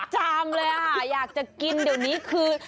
จามเลยอ่ะอยากจะกินเดี๋ยวนี้คือ